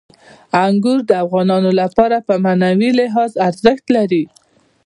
انګور د افغانانو لپاره په معنوي لحاظ ارزښت لري.